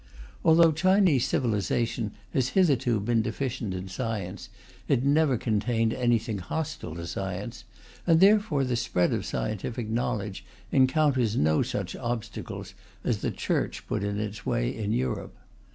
Although Chinese civilization has hitherto been deficient in science, it never contained anything hostile to science, and therefore the spread of scientific knowledge encounters no such obstacles as the Church put in its way in Europe.